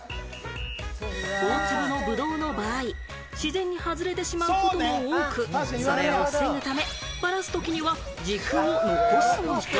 大粒のブドウの場合、自然に外れてしまうことも多く、それを防ぐため、バラすときには軸を残すのだ。